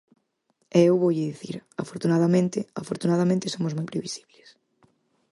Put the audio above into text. E eu voulle dicir: afortunadamente; afortunadamente somos moi previsibles.